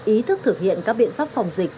ý thức thực hiện các biện pháp phòng dịch